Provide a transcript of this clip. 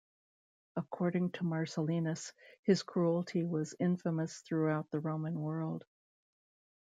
According to Marcellinus, his cruelty was infamous throughout the Roman world.